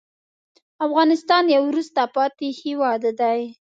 افغانستان یو وروسته پاتې هېواد دی.